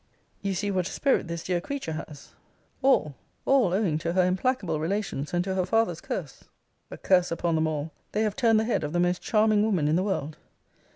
You see what a spirit this dear creature has! All, all owing to her implacable relations, and to her father's curse. A curse upon them all! they have turned the head of the most charming woman in the world!